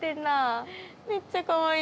めっちゃかわいい。